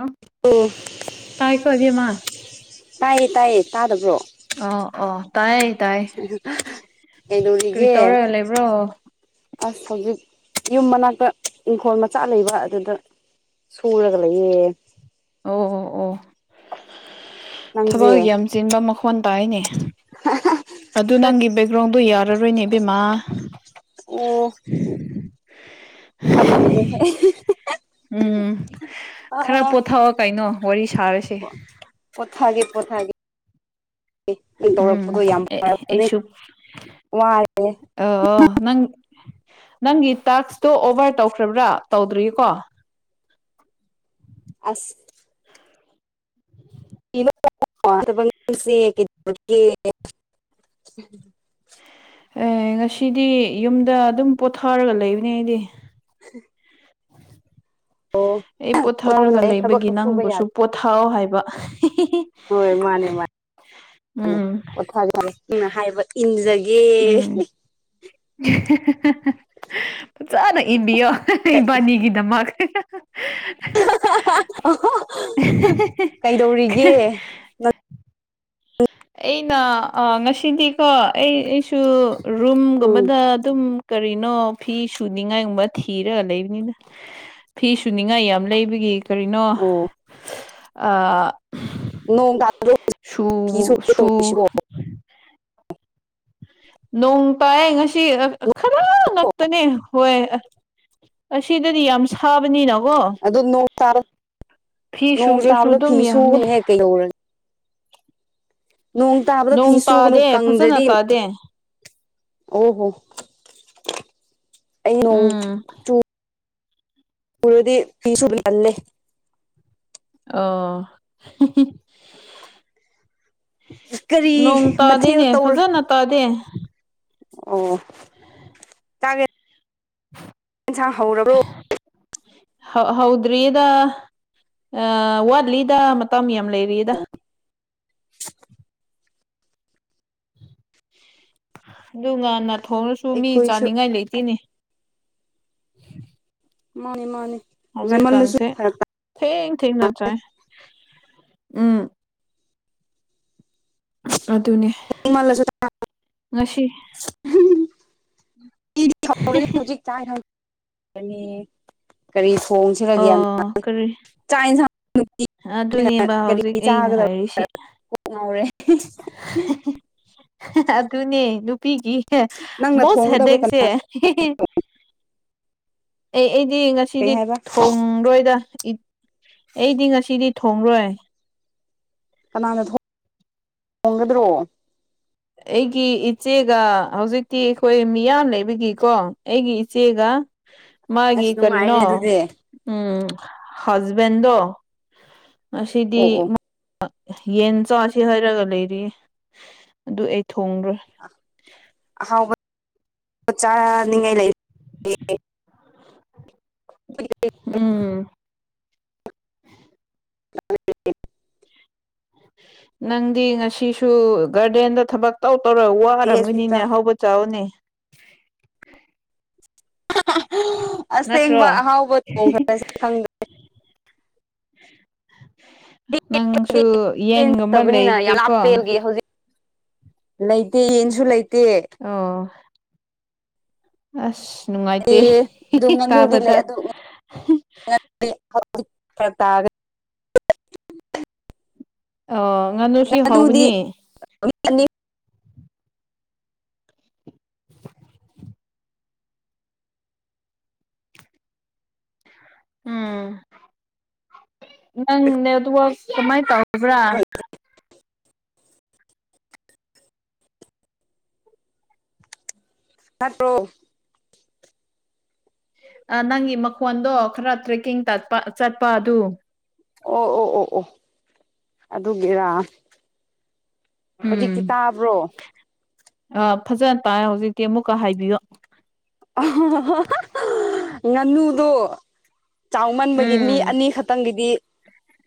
ꯑꯥ ꯑꯣ ꯇꯥꯏꯀꯣ ꯏꯕꯦꯃꯥ ꯇꯥꯏꯌꯦ ꯇꯥꯏꯌꯦ ꯇꯥꯗꯕ꯭ꯔꯣ ꯑ ꯑꯣ ꯇꯥꯏꯌꯦ ꯇꯥꯏꯌꯦ ꯀꯔꯤ ꯀꯩꯗꯧꯔꯤꯒꯦ ꯇꯧꯔꯒ ꯂꯩꯕ꯭ꯔꯣ ꯑꯁ ꯍꯧꯖꯤꯛ ꯌꯨꯝ ꯃꯅꯥꯛꯇ ꯏꯪꯈꯣꯜ ꯃꯆꯥ ꯂꯩꯕ ꯑꯗꯨꯗ ꯁꯨꯔꯒꯥ ꯂꯩꯌꯦ ꯑꯣ ꯑꯣ ꯑꯣ ꯅꯪꯗꯤ ꯊꯕꯛ ꯌꯥꯝ ꯆꯤꯟꯕ ꯃꯈꯣꯟ ꯇꯥꯏꯅꯦ ꯑꯗꯨ ꯈꯔ ꯅꯪꯒꯤ ꯕꯦꯛ ꯒ꯭ꯔꯥꯎꯟꯗꯣ ꯌꯔꯥꯔꯣꯏꯅꯦ ꯏꯕꯦꯃꯥ ꯑꯣ ꯈꯪꯗꯦꯗꯥ ꯎꯝ ꯈꯔ ꯄꯣꯊꯥꯋꯣ ꯀꯩꯅꯣ ꯋꯥꯔꯤ ꯁꯥꯔꯁꯤ ꯄꯣꯊꯥꯒꯦ ꯄꯣꯊꯥꯒꯦ [unintelligible] ꯎꯝ ꯇꯧꯔꯛꯄꯗꯣ ꯌꯥꯝ ꯑꯦ [unintelligible] ꯋꯥꯔꯦ ꯑꯥ ꯑꯣ ꯅꯪ ꯅꯪꯒꯤ ꯇꯥꯛꯁꯇꯣ ꯑꯣꯚꯔ ꯇꯧꯈ꯭ꯔꯕ꯭ꯔꯥ ꯇꯧꯗ꯭ꯔꯤꯀꯣ ꯑꯁ [unintelligible] ꯑꯦ ꯉꯁꯤꯗꯤ ꯌꯨꯝꯗ ꯑꯗꯨꯝ ꯄꯣꯊꯥꯔꯒ ꯂꯩꯕꯅꯦ ꯑꯩꯗꯤ ꯍꯥ ꯑꯣ ꯑꯩ ꯄꯣꯊꯥꯔꯒ ꯂꯩꯕꯒꯤ ꯅꯪꯕꯨꯁꯨ ꯄꯣꯊꯥꯑꯣ ꯍꯥꯏꯕ ꯍꯣꯏ ꯃꯥꯅꯦ ꯎꯝ [unintelligible] ꯅꯪꯅ ꯍꯥꯏꯕ ꯏꯟꯖꯒꯦ ꯎꯝ ꯐꯖꯅ ꯏꯟꯕꯤꯌꯣ ꯏꯕꯥꯅꯤꯒꯤꯗꯃꯛ ꯀꯩꯗꯧꯔꯤꯒꯦ ꯑꯩꯅ ꯑꯥ ꯉꯁꯤꯗꯤꯀꯣ ꯑꯩ ꯑꯩꯁꯨ ꯎꯝ ꯔꯨꯝꯒꯨꯝꯕꯗ ꯑꯗꯨꯝ ꯀꯔꯤꯅꯣ ꯐꯤ ꯁꯨꯅꯤꯉꯥꯏꯒꯨꯝꯕ ꯊꯤꯔꯒ ꯂꯩꯕꯅꯤꯗ ꯐꯤ ꯁꯨꯅꯤꯡꯉꯥꯏ ꯌꯥꯝ ꯂꯩꯕꯒꯤ ꯀꯔꯤꯅꯣ ꯑꯣ ꯑꯥ ꯅꯣꯡ ꯇꯥꯗ ꯁꯨ [unintelligible] ꯁꯨ ꯅꯣꯡ ꯇꯥꯏ ꯉꯁꯤ ꯈꯔ ꯉꯥꯛꯇꯅꯦ ꯍꯣꯏ ꯑꯥ ꯑꯁꯤꯗꯗꯤ ꯌꯥꯝ ꯁꯥꯕꯅꯤꯅꯣ ꯀꯣ ꯑꯗꯣ ꯅꯣꯡ ꯇꯥꯕ ꯐꯤ ꯁꯨꯔꯁꯨ ꯑꯗꯨꯝ ꯌꯥꯝꯅꯤ ꯀꯩꯗꯧꯔ ꯅꯣꯡ ꯇꯥꯕꯗ ꯐꯤ ꯅꯣꯡ ꯁꯨꯒꯅꯨ ꯇꯥꯗꯦ ꯐꯖꯅ ꯀꯪꯗ꯭ꯔꯗꯤ ꯇꯥꯗꯦ ꯑꯣ ꯍꯣ ꯑꯩ ꯅꯣꯡ ꯎꯝ [unintelligible] ꯐꯤ ꯁꯨꯕ [unintelligible] ꯑꯣ ꯀꯔꯤ ꯅꯣꯡ ꯃꯊꯦꯜ ꯇꯥꯗꯦꯅꯦ ꯇꯧꯔ ꯐꯖꯅ ꯇꯥꯗꯦ ꯑꯣ [unintelligible] ꯑꯦꯟꯁꯥꯡ ꯍꯧꯔꯕ꯭ꯔꯣ ꯍ ꯍꯧꯗ꯭ꯔꯤꯌꯦꯗ ꯑ ꯋꯥꯠꯂꯤꯗ ꯃꯇꯝ ꯌꯥꯝ ꯂꯩꯔꯤꯌꯦꯗ [unintelligible] ꯑꯗꯨ ꯉꯥꯟꯅ ꯊꯣꯡꯉꯁꯨ ꯃꯤ ꯑꯩꯈꯣꯏꯁꯨ ꯆꯥꯅꯤꯡꯉꯥꯢ ꯂꯩꯇꯦꯅꯦ ꯃꯥꯅꯤ ꯃꯥꯅꯤ ꯅꯦꯝꯃꯜꯂꯁꯨ ꯍꯧꯖꯤꯛꯀꯥꯟꯁꯦ ꯐꯔꯛ ꯇꯥ ꯊꯦꯡ ꯊꯦꯡ ꯅꯠꯇ꯭ꯔꯥꯢ ꯎꯝ ꯑꯗꯨꯅꯦ ꯏꯪꯃꯜꯂꯁꯨ ꯇ ꯉꯁꯤ ꯗꯤ ꯍꯧꯔꯅꯤ ꯍꯧꯖꯤꯛ ꯆꯅꯤ ꯄꯅꯦ ꯀꯔꯤ ꯊꯣꯡꯁꯤꯔ ꯒ꯭ꯌꯥꯟ ꯇ ꯑꯣ ꯀꯔꯤ ꯆꯥꯛ ꯑꯦꯟꯖꯥꯡ ꯅꯨꯡꯇꯤꯅꯤꯅ ꯑꯗꯨꯅꯦꯕ ꯀꯔꯤ ꯍꯧꯖꯤꯛ ꯑꯩꯅ ꯆꯥꯒꯗ ꯍꯥꯏꯔꯤꯁꯦ ꯀꯣꯛ ꯉꯥꯎꯔꯦ ꯑꯗꯨꯅꯦ ꯅꯨꯄꯤꯒꯤ ꯅꯪꯅ ꯃꯣꯁ ꯊꯣꯡꯒꯗꯕ꯭ꯔꯣ ꯀꯅꯥ ꯍꯦꯗꯦꯛꯁꯦ ꯑꯩ ꯑꯩꯗꯤ ꯀꯩ ꯉꯁꯤꯗꯤ ꯍꯥꯏꯕ ꯊꯣꯡꯔꯣꯢꯗ ꯑꯩꯗꯤ ꯉꯁꯤꯗꯤ ꯊꯣꯡꯔꯣꯢ ꯀꯅꯥꯅ ꯊꯣꯡ ꯊꯣꯡꯒꯗ꯭ꯔꯣ ꯑꯩꯒꯤ ꯏꯆꯦꯒ ꯍꯧꯖꯤꯛꯇꯤ ꯑꯩꯈꯣꯢ ꯃꯤꯌꯥꯝ ꯂꯩꯕꯒꯤꯀꯣ ꯑꯩꯒꯤ ꯏꯆꯦꯒ ꯃꯥꯒꯤ ꯑꯁ ꯅꯨꯡꯉꯥꯏꯔꯦ ꯀꯔꯤꯅꯣ ꯑꯗꯨꯗꯤ ꯎꯝ ꯍꯁꯕꯦꯟꯗꯣ ꯑꯣ ꯉꯁꯤꯗꯤ ꯑꯣ ꯃ ꯌꯦꯟ ꯆꯥꯁꯤ ꯍꯥꯢꯔꯒ ꯂꯩꯔꯤꯌꯦ ꯑꯗꯨ ꯑꯩ ꯊꯣꯡꯔꯣꯢ ꯑ ꯑꯍꯥꯎꯕ ꯆꯥꯅꯤꯡꯉꯥꯢ ꯂꯩ ꯇꯦ [inaudible] [unintelligible] ꯎꯝ [unintelligible] ꯅꯪꯗꯤ ꯉꯁꯤꯁꯨ ꯒꯥꯔꯗꯦꯟꯗ ꯊꯕꯛ ꯇꯧ ꯇꯧꯔ ꯋꯥꯔꯝꯒꯅꯤꯅꯦ ꯍꯧꯕ ꯆꯥꯎꯅꯦ ꯑꯁꯦꯡꯕ ꯅꯠꯇ꯭ꯔꯣ ꯑꯍꯥꯎꯕ ꯊꯣꯡ ꯈꯔꯁꯤ ꯈꯪꯗꯦ ꯅꯪꯁꯨ ꯌꯦꯟ ꯌꯦꯟꯒꯨꯝꯕ ꯅꯠꯇꯕꯅꯤꯅ ꯌꯥꯝ ꯂꯩꯇꯦꯀꯣ ꯂꯥꯞꯄꯦ ꯑꯗꯨꯒꯤ ꯍꯧꯖꯤꯛ ꯂꯩꯇꯦ ꯌꯦꯟꯁꯨ ꯂꯩꯇꯦ ꯑꯣ ꯑꯁ ꯅꯨꯡꯉꯥꯢꯇꯦ ꯑꯦ ꯑꯗꯨ ꯇꯥꯕꯗ ꯑꯩ ꯍꯎꯝ ꯐꯔꯛꯇꯔꯒ ꯑꯣ ꯉꯥꯅꯨꯁꯤ ꯉꯥꯅꯨꯗꯤ ꯍꯥꯎꯕꯅꯦ ꯑꯅꯤ [unintelligible] ꯎꯝ ꯅꯪ ꯅꯦꯠꯇꯨꯋꯥꯛꯁ ꯀꯃꯥꯢꯟ ꯇꯧꯕ꯭ꯔꯥ ꯅꯠꯇ꯭ꯔꯣ ꯑ ꯅꯪꯒꯤ ꯃꯈꯣꯟꯗꯣ ꯈꯔ ꯇ꯭ꯔꯦꯛꯀꯤꯡ ꯇꯠꯄ ꯆꯠꯄ ꯑꯗꯨ ꯑꯣ ꯑꯣ ꯑꯣ ꯑꯣ ꯑꯗꯨꯒꯤꯔꯥ ꯍꯧꯖꯤꯛꯇꯤ ꯇꯥꯕ꯭ꯔꯣ ꯑ ꯐꯖꯅ ꯇꯥꯢꯌꯣ ꯍꯧꯖꯤꯛꯇꯤ ꯑꯃꯨꯛꯀ ꯍꯥꯢꯕꯤꯌꯣ ꯉꯥꯅꯨꯗꯣ ꯆꯥꯎꯃꯟꯕꯒꯤ ꯃꯤ ꯎꯝ ꯑꯅꯤ ꯈꯠꯇꯪꯒꯤꯗꯤ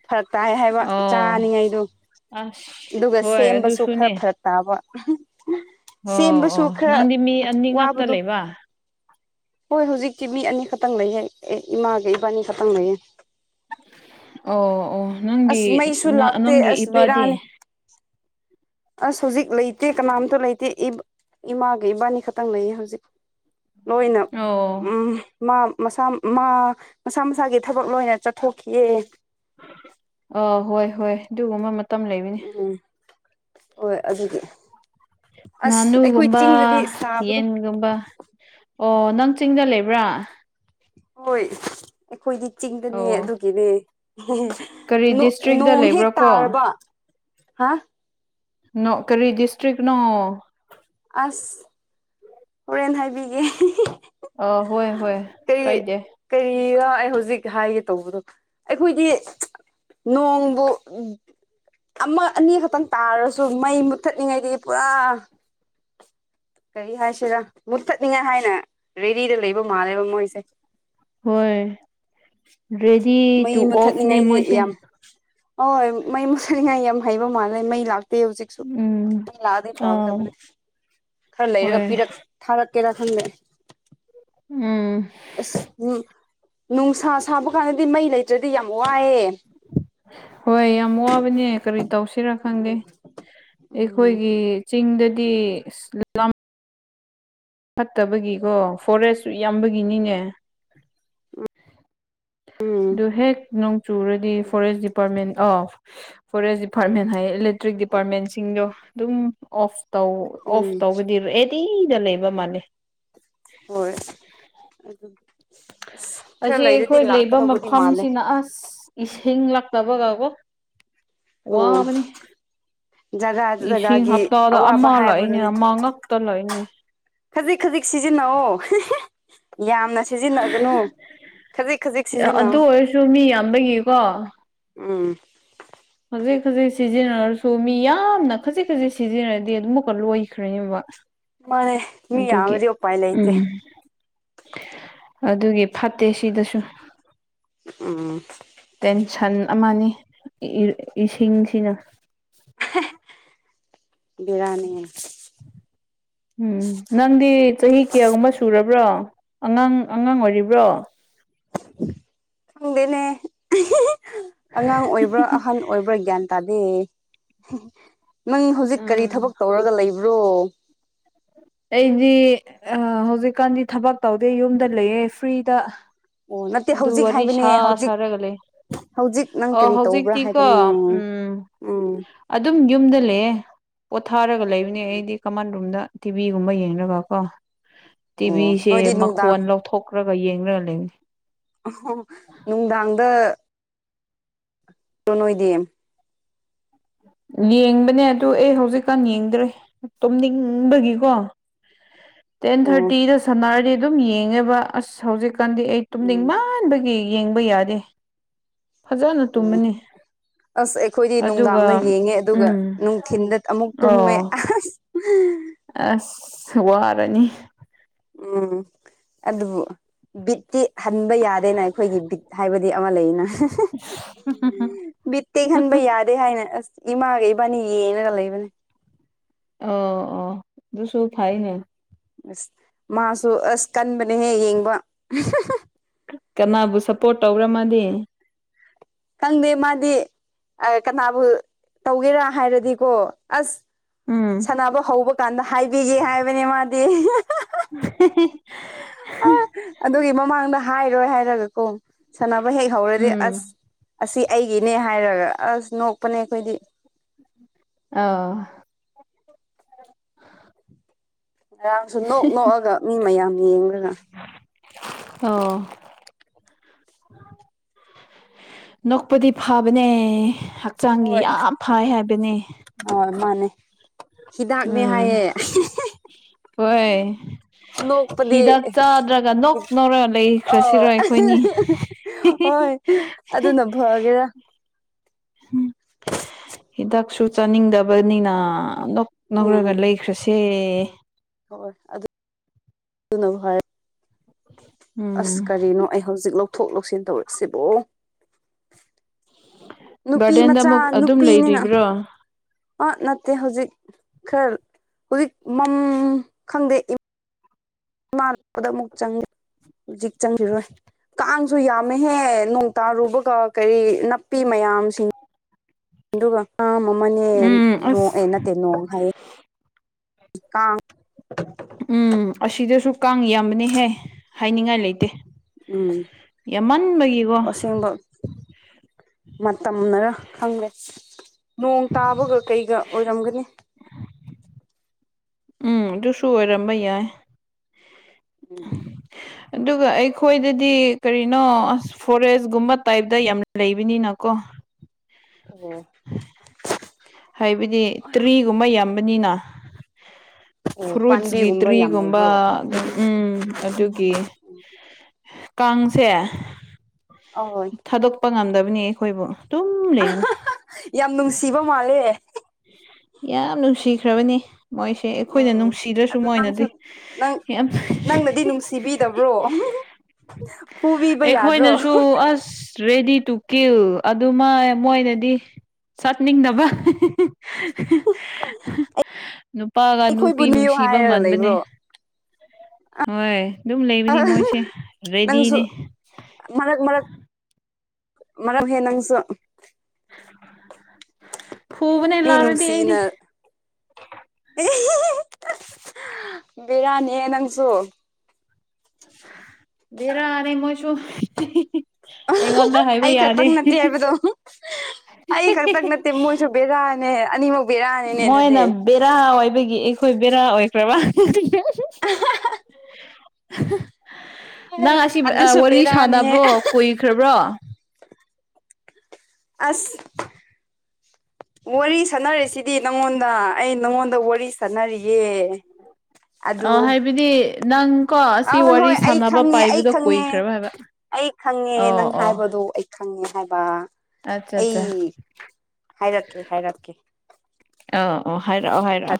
ꯐꯔꯛ ꯇꯥꯏ ꯍꯥꯏꯕ ꯑꯣ ꯆꯥꯅꯤꯡꯉꯥꯏꯗꯨ ꯑꯁ ꯑꯗꯨꯒ ꯍꯣꯏ ꯁꯦꯝꯕꯁꯨ ꯈꯔ ꯑꯗꯨꯁꯨꯅꯦ ꯐꯔꯛ ꯇꯥꯕ ꯑꯣ ꯁꯦꯝꯕꯁꯨ ꯑꯣ ꯈꯔ ꯅꯪꯗꯤ ꯃꯤ ꯑꯅꯤ ꯉꯥꯛꯇ ꯋꯥꯕꯗꯨ ꯂꯩꯕ ꯍꯣꯏ ꯍꯨꯖꯤꯛꯇꯤ ꯃꯤ ꯑꯅꯤꯈꯠꯇꯪ ꯂꯩꯍꯦ ꯑꯦ ꯏꯃꯥꯒ ꯏꯕꯥꯅꯤ ꯈꯠꯇꯪ ꯂꯩꯌꯦ ꯑꯧ ꯑꯣ ꯅꯪꯒꯤ ꯑꯁ ꯃꯩꯁꯨ ꯅ ꯂꯥꯛꯇꯦ ꯅꯪꯒꯤ ꯑꯁ ꯏꯄꯥꯗꯤ ꯕꯦꯔꯥꯅꯤ ꯑꯁ ꯍꯧꯖꯤꯛ ꯂꯩꯇꯦ ꯀꯅꯥꯝꯇ ꯂꯩꯇꯦ ꯏꯕ ꯏꯃꯥꯒ ꯏꯕꯥꯅꯤ ꯈꯠꯇꯪ ꯂꯩꯌꯦ ꯍꯧꯖꯤꯛ ꯂꯣꯏꯅ ꯑꯣ ꯎꯝ ꯃꯥ ꯃꯁꯥ ꯃꯥ ꯃꯁꯥ ꯃꯁꯥꯒꯤ ꯊꯕꯛ ꯂꯣꯏꯅ ꯆꯠꯊꯣꯛꯈꯤꯑꯦ ꯑ ꯍꯣꯏ ꯍꯣꯏ ꯗꯨꯒꯨꯝꯕ ꯃꯇꯝ ꯂꯩꯕ ꯎꯝ ꯍꯣꯏ ꯑꯗꯨꯗꯤ ꯑꯁ ꯑꯩꯈꯣꯏ ꯆꯤꯡꯗꯗꯤ ꯁꯥꯕꯗꯣ ꯔꯨꯝꯕ ꯑꯣ ꯅꯪ ꯆꯤꯡꯗ ꯂꯩꯕ꯭ꯔꯥ ꯍꯣꯏ ꯑꯩꯈꯣꯏꯗꯤ ꯆꯤꯡꯗꯅꯦ ꯑꯣ ꯑꯗꯨꯒꯤꯅꯦ ꯀꯔꯤ ꯅꯣ ꯗꯤꯁꯇ꯭ꯔꯤꯛꯇ ꯅꯣꯡ ꯍꯦꯛ ꯂꯩꯕ꯭ꯔꯥ ꯀꯣ ꯇꯥꯔꯕ ꯍꯥ ꯅꯣ ꯀꯔꯤ ꯗꯤꯁꯇ꯭ꯔꯤꯛꯅꯣ ꯑꯁ ꯍꯣꯔꯦꯟ ꯍꯥꯏꯕꯤꯒꯦ ꯑ ꯍꯣꯏ ꯍꯣꯏ ꯀꯩ ꯗꯦ ꯀꯔꯤꯕ ꯑꯩ ꯍꯧꯖꯤꯛ ꯍꯥꯏꯒꯦ ꯇꯧꯕꯗꯣ ꯑꯩꯈꯣꯏꯗꯤ ꯅꯣꯡꯕꯨ ꯑꯃ ꯑꯅꯤꯈꯠꯇꯪ ꯇꯥꯔꯁꯨ ꯃꯩ ꯃꯨꯠꯊꯠꯂꯤꯉꯩꯗꯤ ꯄꯨꯔꯥ ꯀꯔꯤ ꯍꯥꯏꯁꯤꯔ ꯃꯨꯠꯊꯠꯅꯤꯡꯉꯥꯏ ꯍꯥꯏꯅ ꯔꯦꯗꯤꯗ ꯂꯩꯕ ꯃꯥꯜꯂꯦꯕ ꯃꯣꯏꯁꯦ ꯍꯣꯏ ꯔꯦꯗꯤ ꯃꯩ ꯇꯨ ꯑꯣꯐꯅꯦ ꯃꯣꯏꯁꯦ ꯑꯣꯏ ꯃꯩ ꯃꯨꯁꯠꯅꯤꯉꯥꯏ ꯌꯥꯝ ꯍꯩꯕ ꯃꯥꯜꯂꯦ ꯃꯩ ꯂꯥꯛ ꯇꯦ ꯍꯨꯖꯤꯛꯁꯨ ꯎꯝ ꯃꯩ ꯂꯥꯛꯑꯗꯤ ꯑꯥꯎ ꯐꯒꯗꯕꯅꯦ ꯈꯔ ꯂꯩꯔꯒ ꯍꯣꯏ ꯄꯤꯔꯛ ꯊꯥꯔꯛꯀꯦꯔ ꯈꯪꯗꯦ ꯎꯝ ꯎꯝ ꯅꯨꯡꯁꯥ ꯁꯥꯕ ꯀꯥꯟꯗꯗꯤ ꯃꯩ ꯂꯩꯇ꯭ꯔꯗꯤ ꯌꯥꯝ ꯋꯥꯏꯑꯦ ꯍꯣꯏ ꯌꯥꯝ ꯋꯥꯕꯅꯦ ꯀꯔꯤ ꯇꯧꯁꯤꯔꯥ ꯈꯪꯗꯦ ꯎꯝ ꯑꯩꯈꯣꯏꯒꯤ ꯆꯤꯡꯗꯗꯤ ꯑꯁ ꯐꯠꯇꯕꯒꯤꯀꯣ ꯐꯣꯔꯦꯁꯁꯨ ꯌꯥꯝꯕꯒꯤꯅꯤꯅꯦ ꯎꯝ ꯗꯨ ꯍꯦꯛ ꯅꯣꯡ ꯆꯨꯔꯗꯤ forest department of forest department ꯍꯥꯏꯌꯦ ꯏꯂꯦꯛꯇ꯭ꯔꯤꯛ ꯗꯤꯄꯥꯔꯠꯃꯦꯟꯁꯤꯡꯗꯣ ꯑꯗꯨꯝ ꯑꯣꯐ ꯇꯧ ꯎꯝ ꯑꯣꯐ ꯇꯧꯕꯗꯤ ꯑꯦꯅꯤꯗ ꯂꯩꯕ ꯃꯥꯟꯅꯦ ꯍꯣꯏ ꯑꯗꯨ ꯑꯁ ꯈꯔ ꯑꯁꯤ ꯂꯩꯔꯗꯤ ꯑꯩꯈꯣꯏ ꯂꯩꯕ ꯂꯥꯛꯀꯗꯧꯕꯗꯤ ꯃꯥꯜꯂꯦ ꯃꯐꯝꯁꯤꯅ ꯑꯁ ꯏꯁꯤꯡ ꯂꯛꯇꯕꯒꯀꯣ ꯑꯣ ꯋꯥꯕꯅꯦ ꯖꯒꯥ ꯏꯁꯤꯡ ꯖꯒꯥꯒꯤ ꯍꯞꯇꯥꯗ ꯑꯋꯥꯕ ꯑꯃ ꯂꯥꯛꯏꯅꯦ ꯍꯥꯏꯕꯗꯨꯅꯦ ꯑꯃ ꯉꯛꯇ ꯂꯥꯛꯏꯅꯦ ꯈꯖꯤꯛ ꯈꯖꯤꯛ ꯁꯤꯖꯤꯟꯅꯧꯑꯣ ꯌꯥꯝꯅ ꯁꯤꯖꯤꯟꯅꯒꯅꯣ ꯈꯖꯤꯛ ꯈꯖꯤꯛ ꯑꯗꯨ ꯁꯤꯖꯤꯟꯅꯧꯑꯣ ꯑꯣꯏꯔꯁꯨ ꯃꯤ ꯌꯥꯝꯕꯒꯤꯀꯣ ꯎꯝ ꯈꯖꯤꯛ ꯈꯖꯤꯛ ꯁꯤꯖꯤꯟꯅꯔꯁꯨ ꯃꯤ ꯌꯥꯝꯅ ꯈꯖꯤꯛ ꯈꯖꯤꯛ ꯁꯤꯖꯤꯟꯅꯔꯗꯤ ꯑꯗꯨꯃꯨꯛꯀ ꯂꯣꯏꯈ꯭ꯔꯅꯦꯕ ꯃꯥꯅꯦ ꯃꯤ ꯑꯗꯨꯒꯤ ꯌꯥꯝꯃꯗꯤ ꯎꯄꯥꯏ ꯂꯩꯇꯦ ꯎꯝ ꯑꯗꯨꯒꯤ ꯐꯠꯇꯦ ꯁꯤꯗꯁꯨ ꯎꯝ ꯇꯦꯟꯁꯟ ꯑꯃꯅꯤ ꯏꯁꯤꯡꯁꯤꯅ ꯕꯦꯔꯥꯅꯤ ꯎꯝ ꯅꯪꯗꯤ ꯆꯍꯤ ꯀꯌꯥꯒꯨꯝꯕ ꯁꯨꯔꯕ꯭ꯔꯣ ꯑꯉꯥꯡ ꯑꯉꯥꯡ ꯑꯣꯏꯔꯤꯕ꯭ꯔꯣ ꯈꯪꯗꯦꯅꯦ ꯑꯉꯥꯡ ꯑꯣꯏꯕ꯭ꯔꯥ ꯑꯍꯟ ꯑꯣꯏꯕ꯭ꯔꯥ ꯒ꯭ꯌꯥꯟ ꯇꯥꯗꯦ ꯅꯪ ꯍꯧꯖꯤꯛ ꯀꯔꯤ ꯎꯝ ꯊꯕꯛ ꯇꯧꯔꯒ ꯂꯩꯕ꯭ꯔꯣ ꯑꯩꯗꯤ ꯍꯧꯖꯤꯛ ꯀꯥꯟꯗꯤ ꯊꯥꯕꯛ ꯇꯧꯗꯦ ꯌꯨꯝꯗ ꯂꯩꯌꯦ ꯐ꯭ꯔꯤꯗ ꯑꯣ ꯅꯠꯇꯦ ꯑꯗꯨ ꯍꯧꯖꯤꯛ ꯋꯥꯔꯤ ꯍꯥꯏꯕꯅꯦ ꯁꯥ ꯍꯧꯖꯤꯛ ꯁꯥꯔꯒ ꯂꯩ ꯍꯧꯖꯤꯛ ꯅꯪ ꯑꯣ ꯀꯔꯤ ꯇꯧꯕ꯭ꯔꯥ ꯍꯧꯖꯤꯛꯇꯤ ꯀꯣ ꯍꯥꯏꯕꯅꯦ ꯎꯝ ꯎꯝ ꯑꯗꯨꯝ ꯌꯨꯝꯗ ꯂꯩꯌꯦ ꯄꯣꯊꯥꯔꯒ ꯂꯩꯕꯅꯦ ꯑꯩꯗꯤ ꯀꯥꯃꯟ ꯔꯨꯝꯗ ꯇꯤꯚꯤꯒꯨꯝꯕ ꯌꯦꯡꯉꯒ ꯀꯣ ꯑꯣ ꯅꯣꯏꯗꯤ ꯇꯤꯚꯤꯁꯡꯁꯦ ꯅꯨꯡꯗꯥꯡ ꯃꯈꯣꯟ ꯂꯧꯊꯣꯛꯈ꯭ꯔꯒ ꯌꯦꯡꯔꯒ ꯂꯩꯕꯅꯤ ꯑꯣꯍꯣ ꯅꯨꯡꯗꯥꯡꯗ ꯇꯣ ꯅꯣꯏꯗꯤ ꯌꯦꯡꯕꯅꯦ ꯑꯗꯨ ꯑꯩ ꯍꯧꯖꯤꯛꯀꯥꯟ ꯌꯦꯡꯗ꯭ꯔꯦ ꯇꯨꯝꯅꯤꯡꯕꯒꯤꯀꯣ [inaudible] ꯇꯦꯟ ꯊꯥꯔꯠꯇꯤꯗ ꯁꯥꯟꯅꯔꯗꯤ ꯑꯗꯨꯝ ꯌꯦꯡꯉꯦꯕ ꯑꯁ ꯍꯧꯖꯤꯛꯀꯥꯟꯗꯤ ꯑꯩ ꯇꯨꯝꯅꯤꯡ ꯎꯝ ꯃꯟ ꯃꯟꯕꯒꯤ ꯌꯦꯡꯕ ꯌꯥꯗꯦ ꯐꯖꯅ ꯑꯣ ꯇꯨꯝꯃꯅꯤ ꯑꯗꯨꯒ ꯉꯦ ꯑꯗꯨꯒ ꯎꯝ ꯅꯨꯡꯊꯤꯟꯗ ꯑꯃꯨꯛ ꯇꯨꯝꯃꯦ ꯑꯣ ꯑꯁ ꯑꯁ ꯋꯥꯔꯅꯤ ꯎꯝ ꯑꯗꯨꯕꯨ ꯕꯤꯠꯇꯤ ꯍꯟꯕ ꯌꯥꯗꯦꯅ ꯑꯩꯈꯣꯏꯒꯤ ꯕꯤꯠ ꯍꯥꯏꯕ ꯕꯤꯠ ꯑꯃ ꯂꯩꯅ [unintelligible] ꯕꯤꯠꯇꯦꯛ ꯍꯟꯕ ꯌꯥꯗꯦ ꯍꯥꯏꯅ ꯑꯁ ꯏꯃꯥꯒ ꯏꯕꯥꯅꯤ ꯌꯦꯡꯉꯒ ꯂꯩꯕꯅꯤ ꯑꯣ ꯑꯣ ꯑꯗꯨꯁꯨ ꯐꯩꯅꯦ ꯑꯁ ꯃꯥꯁꯨ ꯑꯁ ꯀꯟꯕꯅꯦꯍꯦ ꯌꯦꯡꯕ ꯀꯅꯥꯕꯨ ꯁꯞꯄꯣꯔꯠ ꯇꯧꯕ ꯃꯥꯗꯤ ꯈꯪꯗꯦ ꯃꯥꯗꯤ ꯀꯅꯥꯕꯨ ꯇꯧꯒꯦꯔꯥ ꯍꯥꯏꯔꯗꯤꯀꯣ ꯑꯁ ꯎꯝ ꯁꯥꯟꯅꯕ ꯍꯧꯕ ꯀꯥꯟꯗ ꯍꯥꯏꯕꯤꯒꯦ ꯍꯥꯏꯕꯅꯤ ꯃꯥꯗꯤ [unintelligible] ꯑꯗꯨꯒꯤ ꯃꯃꯥꯡꯗ ꯍꯥꯏꯔꯣꯏ ꯍꯥꯏꯔꯒ ꯀꯣ ꯁꯥꯟꯅꯕ ꯍꯦꯛ ꯍꯧꯔꯗꯤ ꯑꯁ ꯎꯝ ꯑꯁꯤ ꯑꯩꯒꯤꯅꯦ ꯍꯥꯏꯔꯒ ꯑꯁ ꯅꯣꯛꯄꯅꯦ ꯑꯩꯈꯣꯏꯗꯤ ꯑꯧ ꯉꯔꯥꯡꯁꯨ ꯅꯣꯛ ꯅꯣꯛꯑꯒ ꯃꯤ ꯃꯌꯥꯝ ꯌꯦꯡꯂꯒ ꯑꯣ ꯅꯣꯛꯄꯗꯤ ꯐꯕꯅꯦ ꯍꯛꯆꯥꯡꯒꯤ ꯍꯣꯏ ꯌꯥꯝ ꯐꯩ ꯍꯥꯏꯕꯅꯦ ꯍꯣꯏ ꯃꯥꯅꯦ ꯍꯤꯗꯥꯛꯅꯦ ꯎꯝ ꯍꯥꯏꯌꯦ ꯍꯣꯏ ꯅꯣꯛꯄꯗꯤ ꯍꯤꯗꯥꯛ ꯆꯥꯗ꯭ꯔꯒ ꯅꯣꯛ ꯅꯧꯔꯒ ꯑꯥ ꯂꯩꯈ꯭ꯔꯁꯤꯔ ꯑꯩꯈꯣꯏꯅꯤ ꯍꯣꯏ ꯑꯗꯨꯅ ꯐꯒꯦꯔꯥ ꯍꯤꯗꯥꯛꯁꯨ ꯆꯥꯅꯤꯡꯗꯕꯅꯤꯅ ꯅꯣꯛ ꯅꯣꯛꯔꯒ ꯂꯩꯈ꯭ꯔꯁꯦ ꯍꯣꯏ ꯍꯣꯏ ꯑꯗꯨ ꯑꯗꯨꯅ ꯐꯩ ꯎꯝ ꯑꯁ ꯀꯔꯤꯅꯣ ꯑꯩ ꯍꯧꯖꯤꯛ ꯂꯧꯊꯣꯛ ꯂꯧꯁꯤꯟ ꯇꯧꯔꯤꯁꯤꯕꯨ ꯅꯨꯄꯤ ꯒꯥꯔꯗꯦꯟꯗ ꯃꯆꯥ ꯑꯃꯨꯛ ꯑꯗꯨꯝ ꯂꯩꯔꯤꯕ꯭ꯔꯣ ꯑꯥ ꯅꯠꯇꯦ ꯍꯧꯖꯤꯛ ꯈꯔ ꯍꯧꯖꯤꯛ ꯃꯝ ꯈꯪꯗꯦ ꯏꯃꯥꯗ ꯂꯥꯛꯄꯗ ꯑꯃꯨꯛ ꯆꯪꯒꯦ ꯍꯧꯖꯤꯛ ꯆꯪꯉꯤꯔꯣꯏ ꯀꯥꯡꯁꯨ ꯌꯥꯝꯃꯦꯍꯦ ꯅꯣꯡ ꯇꯥꯔꯨꯕꯒ ꯀꯔꯤ ꯅꯥꯄꯤ ꯃꯌꯥꯝꯁꯤꯡ ꯑꯗꯨꯒ ꯑ ꯑꯃꯅꯦ ꯎꯝ ꯑꯁ ꯅꯣꯛꯑꯦ ꯅꯠꯇꯦ ꯅꯣꯡ ꯍꯥꯏꯌꯦ ꯀꯥꯡ ꯎꯝ ꯑꯁꯤꯗꯁꯨ ꯀꯥꯡ ꯌꯥꯝꯕꯅꯤꯍꯦ ꯍꯥꯏꯅꯤꯡꯉꯥꯏ ꯂꯩꯇꯦ ꯎꯝ ꯌꯥꯝꯃꯟꯕꯒꯤ ꯑꯁꯦꯡꯕ ꯃꯇꯝꯅꯔꯥ ꯈꯪꯗꯦ ꯅꯣꯡ ꯇꯥꯕꯒ ꯀꯩꯒ ꯑꯣꯏꯔꯝꯒꯅꯤ ꯎꯝ ꯑꯗꯨꯁꯨ ꯑꯣꯏꯔꯝꯕ ꯌꯥꯏ ꯎꯝ [inaudible] ꯑꯗꯨꯒ ꯑꯩꯈꯣꯏꯗꯗꯤ ꯀꯔꯤꯅꯣ ꯑꯁ ꯐꯣꯔꯦꯁꯀꯨꯝꯕ ꯇꯥꯏꯞꯇ ꯌꯥꯝ ꯂꯩꯕꯅꯤꯅꯀꯣ ꯑꯣ ꯍꯥꯏꯕꯗꯤ ꯇꯔꯤꯒꯨꯝꯕ ꯌꯥꯝꯕꯅꯤꯅ ꯑꯣ ꯐ꯭ꯔꯨꯠꯁꯀꯤ ꯄꯥꯝꯕꯤꯒꯨꯝꯕ ꯌꯥꯝ ꯇ꯭ꯔꯤꯒꯨꯝꯕ ꯂꯩꯕ꯭ꯔꯣ ꯑꯗꯨꯝ ꯎꯝ ꯑꯗꯨꯒꯤ ꯀꯥꯡꯁꯦ ꯑꯍꯣꯏ ꯊꯥꯗꯣꯛꯄ ꯉꯝꯗꯕꯅꯤ ꯑꯩꯈꯣꯏꯕꯨ ꯑꯗꯨꯝ ꯂꯩꯕꯅꯤ ꯌꯥꯝ ꯅꯨꯡꯁꯤꯕ ꯃꯥꯜꯂꯦ ꯌꯥꯝ ꯅꯨꯡꯁꯤꯈ꯭ꯔꯕꯅꯤ ꯃꯣꯏꯁꯦ ꯑꯩꯈꯣꯏꯅ ꯎꯝ ꯅꯨꯡꯁꯤꯗ꯭ꯔꯁꯨ ꯑꯗꯨ ꯅꯪꯁꯨ ꯃꯣꯏꯅꯗꯤ ꯅꯪ ꯌꯥꯝ ꯅꯨꯡ ꯅꯪꯅꯗꯤ ꯅꯨꯡꯁꯤꯕꯤꯗꯕ꯭ꯔꯣ ꯐꯨꯕꯤꯕ ꯌꯥꯗ꯭ꯔꯣ ꯑꯩꯈꯣꯏꯅꯁꯨ ꯑꯁ ꯔꯦꯗꯤ ꯇꯨꯀꯤꯜ ꯑꯗꯨꯃꯥ ꯃꯣꯏꯅꯗꯤ ꯆꯠꯅꯤꯡꯗꯕ ꯅꯨꯄꯥꯒ ꯑꯩꯈꯣꯏꯕꯨ ꯅꯨꯄꯤ ꯅꯤꯌꯨ ꯅꯨꯡꯁꯤꯕ ꯍꯥꯏꯔꯒ ꯃꯥꯟꯕꯅꯦ ꯂꯩꯕ꯭ꯔꯣ ꯍꯣꯏ ꯑꯗꯨꯝ ꯂꯩꯕꯅꯤ ꯃꯣꯏꯁꯦ ꯅꯪꯁꯨ ꯔꯦꯗꯤꯅꯦ ꯃꯔꯛ ꯃꯔꯛ ꯃꯔꯛꯍꯦ ꯅꯪꯁꯨ ꯐꯨꯕꯅꯦ ꯃꯤ ꯂꯥꯥꯎꯔꯗꯤ ꯑꯩꯗꯤ ꯚꯦꯔꯥꯅꯤꯍꯦ ꯅꯪꯁꯨ ꯚꯦꯔꯥꯅꯤ ꯃꯣꯏꯁꯨ ꯑꯩꯉꯣꯟꯗ ꯍꯥꯏꯕ ꯑꯩ ꯌꯥꯗꯦ ꯈꯛꯇꯪ ꯅꯠꯇꯦ ꯍꯥꯏꯕꯗꯣ ꯑꯩ ꯈꯛꯇꯛ ꯅꯠꯇꯦ ꯃꯣꯏꯁꯨ ꯕꯦꯔꯥꯅꯦ ꯑꯅꯤꯃꯛ ꯕꯦꯔꯥꯅꯤꯅꯦ ꯃꯣꯏꯅ ꯑꯗꯨꯗꯤ ꯕꯦꯔꯥ ꯑꯣꯏꯕꯒꯤ ꯑꯩꯈꯣꯏ ꯕꯦꯔꯥ ꯑꯣꯏꯈ꯭ꯔꯕ ꯅꯪ ꯑꯁꯤ ꯑꯗꯨꯁꯨ ꯋꯥꯔꯤ ꯕꯦꯔꯥꯅꯤꯍꯦ ꯁꯥꯟꯅꯕ꯭ꯔꯣ ꯀꯨꯏꯈ꯭ꯔꯕ꯭ꯔꯣ ꯑꯁ [inaudible] ꯋꯥꯔꯤ ꯁꯥꯟꯅꯔꯦꯁꯤꯗꯤ ꯅꯪꯉꯣꯟꯗ ꯑꯩ ꯅꯪꯉꯣꯟꯗ ꯋꯥꯔꯤ ꯁꯥꯟꯅꯔꯤꯌꯦ ꯑ ꯑꯗꯨ ꯍꯥꯏꯕꯗꯤ ꯅꯪ ꯀꯣ ꯑ ꯑꯁꯤ ꯍꯣꯏ ꯋꯥꯔꯤ ꯍꯣꯏ ꯑꯩ ꯁꯥꯟꯅꯕ ꯈꯪꯉꯦ ꯑꯩ ꯄꯥꯏꯕꯗꯣ ꯈꯪꯉꯦ ꯀꯨꯏꯈ꯭ꯔꯕ ꯍꯥꯏꯕ ꯑꯩ ꯈꯪꯉꯦ ꯑꯣ ꯅꯪ ꯑꯣ ꯍꯥꯏꯕꯗꯣ ꯑꯩ ꯈꯪꯉꯦ ꯍꯥꯏꯕ ꯑꯠꯆꯥ ꯑꯠꯆꯥ ꯑꯩ ꯍꯥꯏꯔꯛꯀꯦ ꯍꯥꯏꯔꯛꯀꯦ ꯑꯥ ꯑꯣ ꯍꯥꯏꯔꯛꯑꯣ ꯐ ꯍꯥꯏꯔꯛꯑꯣ